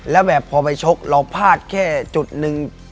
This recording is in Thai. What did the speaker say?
แล้วแบบพอไปชกเราพลาดแค่จุดหนึ่ง